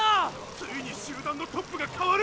ついに集団のトップが変わる！